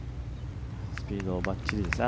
スピードもばっちりですね。